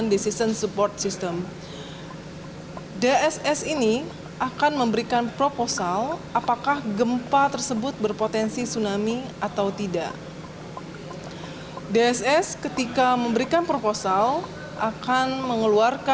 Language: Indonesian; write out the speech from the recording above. berita terkini dari bukit bintang